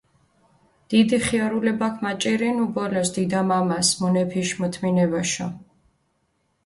დიდი ხიარულებაქ მაჭირუნუ ბოლოს დიდა-მამასჷ მუნეფიში მოთმინებაშო.